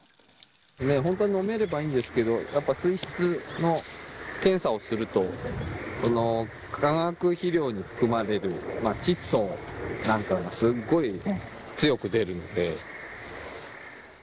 本当は飲めればいいんですけど、やっぱ水質の検査をすると、化学肥料に含まれる窒素なんかがすっごい強く出るので。